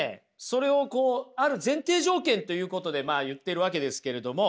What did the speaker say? それをある前提条件ということでまあ言ってるわけですけれども。